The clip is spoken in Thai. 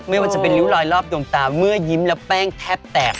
ไม่ว่าจะเป็นริ้วรอยรอบดวงตาเมื่อยิ้มแล้วแป้งแทบแตก